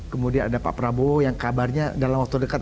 kemudian ada pak prabowo yang kabarnya dalam waktu dekat